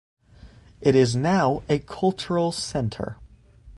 It is now a cultural centre.